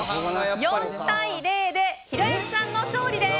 ４対０でひろゆきさんの勝利です。